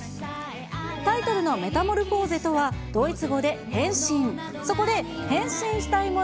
タイトルのメタモルフォーゼとは、ドイツ語で変身。